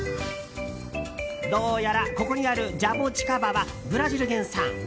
どうやら、ここにあるジャボチカバはブラジル原産。